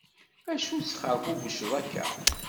Acu tesxerbubuceḍ akka?